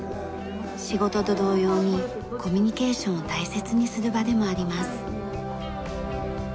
仕事と同様にコミュニケーションを大切にする場でもあります。